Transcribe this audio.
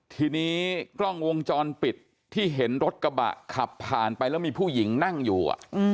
ทีนี้กล้องวงจรปิดที่เห็นรถกระบะขับผ่านไปแล้วมีผู้หญิงนั่งอยู่